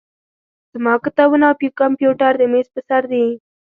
زما کتابونه او کمپیوټر د میز په سر دي.